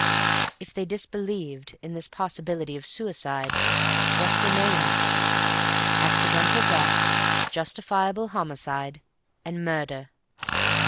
If they disbelieved in this possibility of suicide, what remained? Accidental death, justifiable homicide, and murder.